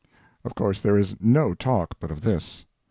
"Of course there is no talk but of this.